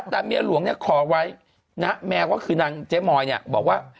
แต่เมียหลวงขอไว้แม่ว่าคือนางเจ๊มอยบอกว่า